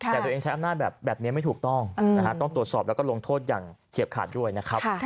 แต่ตัวเองใช้อำนาจแบบนี้ไม่ถูกต้องต้องตรวจสอบแล้วก็ลงโทษอย่างเฉียบขาดด้วยนะครับ